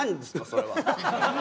それは。